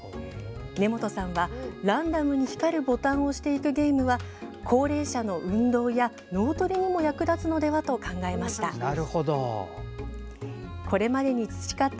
根本さんは、ランダムに光るボタンを押していくゲームは高齢者の運動や脳トレにも役立つのではと考えました。